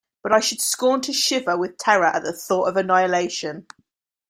But I should scorn to shiver with terror at the thought of annihilation.